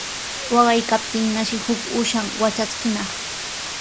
Waqaykaptinnashi huk uushan watraskinaq.